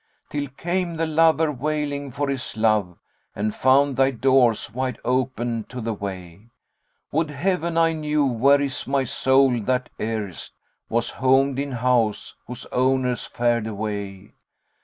Till came the lover wailing for his love, * And found thy doors wide open to the way; Would Heaven I knew where is my soul that erst * Was homed in house, whose owners fared away!